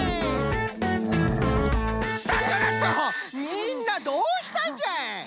みんなどうしたんじゃい？